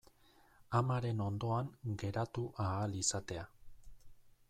Amaren ondoan geratu ahal izatea.